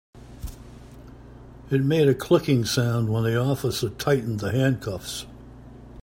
It made a clicking sound when the officer tightened the handcuffs.